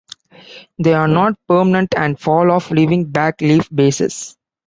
They are not permanent and fall off leaving back leaf-bases.